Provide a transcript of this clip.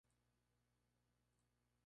Tuvieron dos hijos, Tobi y Miles.